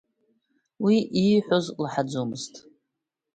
Уи ииҳәоз лаҳаӡомызт.